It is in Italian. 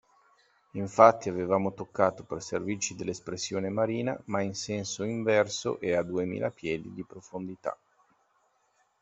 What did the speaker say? Infatti, avevamo toccato, per servirci dell'espressione marina, ma in senso inverso e a duemila piedi di profondità.